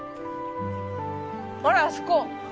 ほらあそこ。